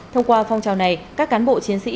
thông qua phong trào này các cán bộ chiến sĩ